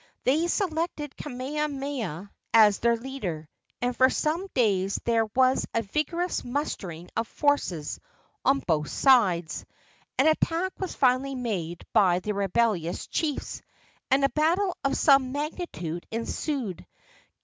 They selected Kamehameha as their leader, and for some days there was a vigorous mustering of forces on both sides. An attack was finally made by the rebellious chiefs, and a battle of some magnitude ensued.